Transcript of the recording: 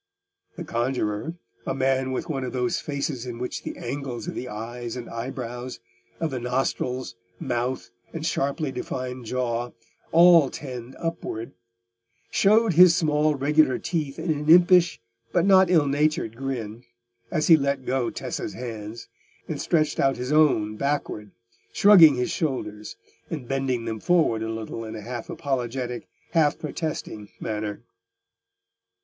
The conjuror—a man with one of those faces in which the angles of the eyes and eyebrows, of the nostrils, mouth, and sharply defined jaw, all tend upward—showed his small regular teeth in an impish but not ill natured grin, as he let go Tessa's hands, and stretched out his own backward, shrugging his shoulders, and bending them forward a little in a half apologetic, half protesting manner.